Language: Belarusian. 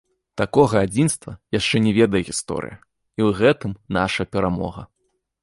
Такога адзінства яшчэ не ведае гісторыя, і ў гэтым наша перамога.